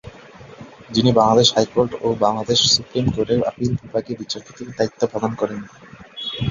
যিনি বাংলাদেশ হাইকোর্ট ও বাংলাদেশ সুপ্রীম কোর্টের আপিল বিভাগে বিচারপতির দায়িত্ব পালন করেন।